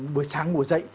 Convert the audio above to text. buổi sáng ngủ dậy